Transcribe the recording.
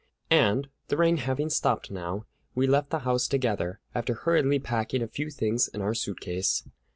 And, the rain having stopped now, we left the house together, after hurriedly packing a few things in our suit case.